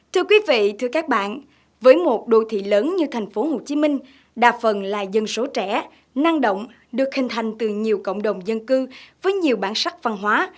thưa quý vị thưa các bạn với một đô thị lớn như thành phố hồ chí minh đa phần là dân số trẻ năng động được hình thành từ nhiều cộng đồng dân cư với nhiều bản sắc văn hóa